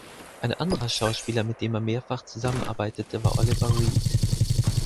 Ein anderer Schauspieler, mit dem er mehrfach zusammenarbeitete, war Oliver Reed.